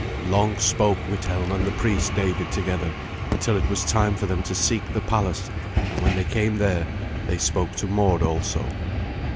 Long spoke Withelm and the priest David together, until it was time for them to seek the palace; and when they came there, they spoke to Mord also.